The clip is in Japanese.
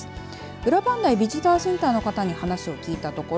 裏磐梯ビジターセンターの方に話を聞いたところ